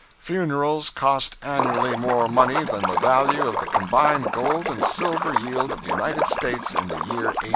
Funerals cost annually more money than the value of the combined gold and silver yield of the United States in the year 1880!